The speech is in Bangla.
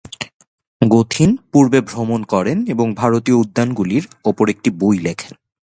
গোথিন পূর্বে ভ্রমণ করেন এবং ভারতীয় উদ্যানগুলির উপর একটি বই লেখেন।